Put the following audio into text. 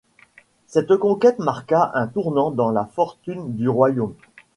Cette conquête marqua un tournant dans la fortune du royaume.